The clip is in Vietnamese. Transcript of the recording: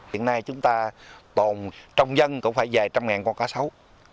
hiện nay chúng ta tồn trong dân cũng phải dài một trăm linh con cá sấu